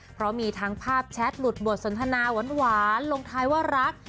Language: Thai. เพราะมีทั้งภาพแชทหลุดบทสนทนาหวานลงท้ายว่ารัก